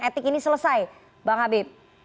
dan etik ini selesai bang habib